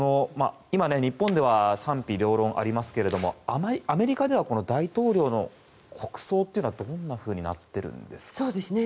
今、日本で賛否両論ありますがアメリカでは大統領の国葬というのはどんなふうになっていますか？